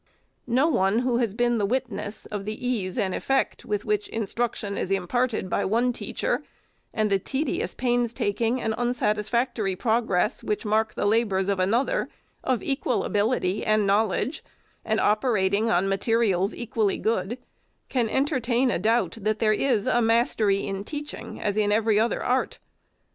No one who has been the witness of the ease and effect with which instruction is imparted by one teacher, and the tedious pains taking and unsatisfactory progress which mark the labors of another of equal ability and knowl edge, and operating on materials equally good, can enter tain a doubt that there is a mastery in teaching as in every other art.